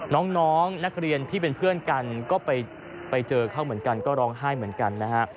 น้องนักเรียนที่เป็นเพื่อนกันก็ไปเจอเขาเหมือนกันก็ร้องไห้เหมือนกันนะฮะ